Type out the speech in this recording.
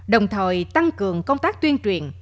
đồng thời tăng cường công tác tuyên truyền